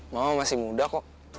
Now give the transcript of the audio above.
mama masih muda kok